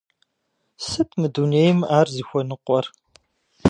Сыт мы дунейм ар зыхуэныкъуэр?